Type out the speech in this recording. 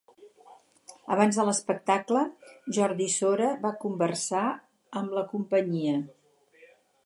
Abans de l'espectacle, Jordi Sora va conversar amb la companyia.